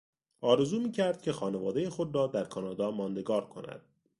آرزو میکرد که خانوادهی خود را در کانادا ماندگار کند.